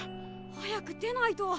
早く出ないと。